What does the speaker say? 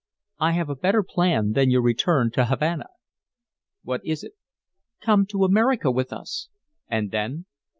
I have a better plan than your return to Havana." "What is it?" "Come to America with us " "And then?"